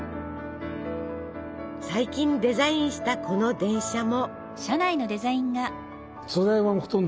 最近デザインしたこの電車も。